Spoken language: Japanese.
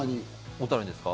小樽ですか？